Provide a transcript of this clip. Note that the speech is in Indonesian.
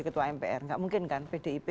ketua mpr nggak mungkin kan pdip